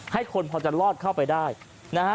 ให้คนพอจะลอดเข้าไปได้นะฮะ